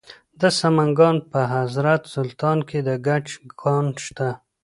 د سمنګان په حضرت سلطان کې د ګچ کان شته.